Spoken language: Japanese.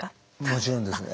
もちろんです。